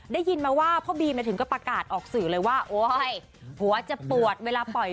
ได้ยินมาว่าพ่อบีมไปถึงประกาศออกสื่อเลยว่า